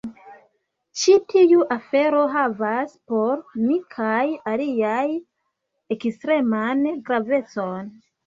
Ĉi tiu afero havas por mi kaj aliaj ekstreman gravecon.